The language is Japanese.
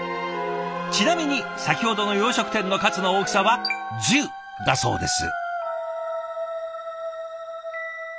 ちなみに先ほどの洋食店のカツの大きさは「１０」だそうです。